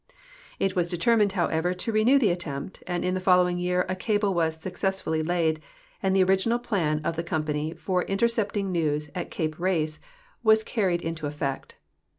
It AA'as determined. liOAA'eA'er, to reneAV the attempt, and in the fol loAA'ing year a cable AA'as successful!}^ laid, and the original plan of the company for intercepting neAA'S at cape Race Avas carried into effect.